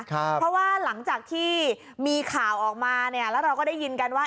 เพราะว่าหลังจากที่มีข่าวออกมาเนี่ยแล้วเราก็ได้ยินกันว่า